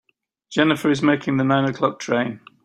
Jennifer is making the nine o'clock train.